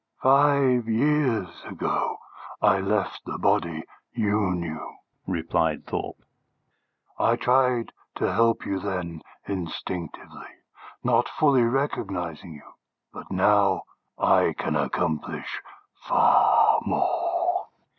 "Five years ago I left the body you knew," replied Thorpe. "I tried to help you then instinctively, not fully recognising you. But now I can accomplish far more."